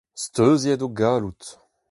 Steuziet o galloud !